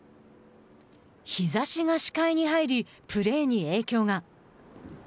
日ざしが視界に入りプレーに影響が。